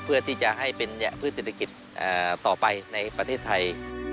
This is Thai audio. เพื่อที่จะให้เป็นพืชเศรษฐกิจต่อไปในประเทศไทย